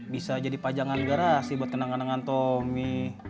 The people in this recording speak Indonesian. bisa jadi pajangan garasi buat kenangan kenangan tomi